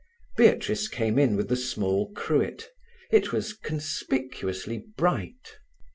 Beatrice came in with the small cruet; it was conspicuously bright.